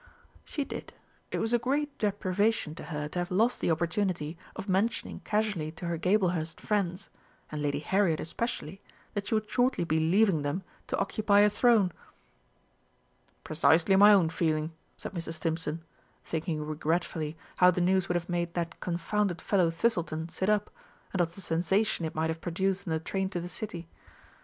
She did; it was a great deprivation to her to have lost the opportunity of mentioning casually to her Gablehurst friends and Lady Harriet especially that she would shortly be leaving them to occupy a throne. "Precisely my own feeling," said Mr. Stimpson, thinking regretfully how the news would have made that confounded fellow Thistleton sit up, and of the sensation it might have produced in the train to the City.